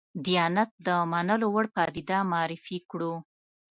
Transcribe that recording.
دیانت د منلو وړ پدیده معرفي کړو.